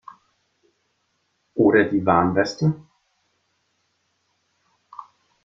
Oder die Warnweste?